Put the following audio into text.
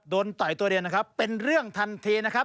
ต่อยตัวเดียวนะครับเป็นเรื่องทันทีนะครับ